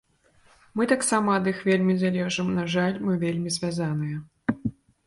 Мы таксама ад іх вельмі залежым, на жаль, мы вельмі звязаныя.